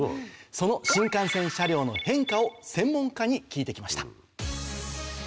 その新幹線車両の変化を専門家に聞いて来ました。